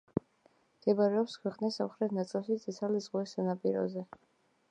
მდებარეობს ქვეყნის სამხრეთ ნაწილში, წითელი ზღვის სანაპიროზე.